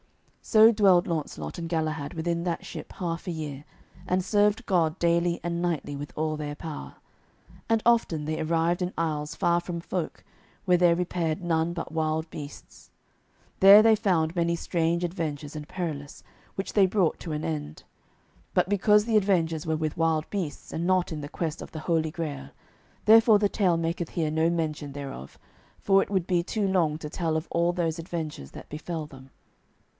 So dwelled Launcelot and Galahad within that ship half a year, and served God daily and nightly with all their power. And often they arrived in isles far from folk, where there repaired none but wild beasts. There they found many strange adventures and perilous, which they brought to an end. But because the adventures were with wild beasts, and not in the quest of the Holy Grail, therefore the tale maketh here no mention thereof, for it would be too long to tell of all those adventures that befell them.